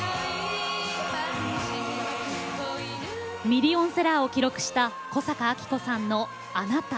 ミリオンセラーを記録した小坂明子さんの「あなた」。